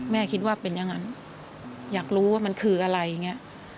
คิดว่าเป็นอย่างนั้นอยากรู้ว่ามันคืออะไรอย่างนี้